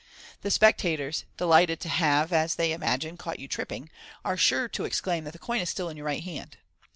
The spectators, delighted to have, as they imagine, caught you tripping, are sure to exclaim that the coin is still in your right hand.